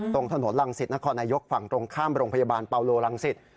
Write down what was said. ตรงถนนรังสิตนครนายกฝั่งตรงข้ามโรงพยาบาลเปาโลรังสิต